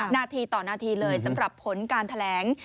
นาทีต่อนาทีเลยสำหรับผลการแถลง